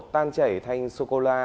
tan chảy thành sô cô la